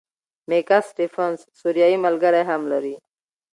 میکا سټیفنز سوریایي ملګری هم لري.